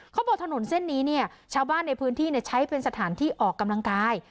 ถนนเส้นนี้เนี่ยชาวบ้านในพื้นที่ใช้เป็นสถานที่ออกกำลังกาย